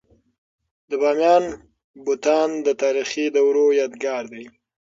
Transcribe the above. د بامیانو بتان د تاریخي دورو یادګار دی.